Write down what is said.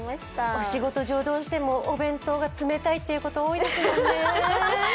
お仕事上、どうしてもお弁当が冷たいってこと多いですよね。